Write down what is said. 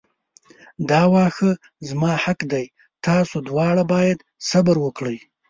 دا واښه زما حق دی تاسو دواړه باید صبر وکړئ.